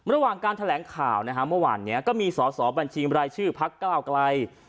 ระหว่างการแถลงข่าวนะฮะเมื่อวานนี้ก็มีสอสอบัญชีบรายชื่อพักก้าวไกล